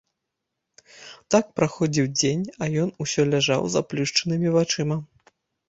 Так праходзіў дзень, а ён усё ляжаў з заплюшчанымі вачыма.